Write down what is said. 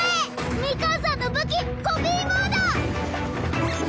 ミカンさんの武器コピーモード！